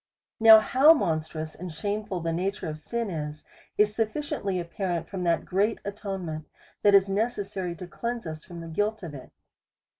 Now how monstrous and shameful the nature of sin is, is sufficient!} apparent from that great atonement that is necessary to cleanse us from the guilt of it.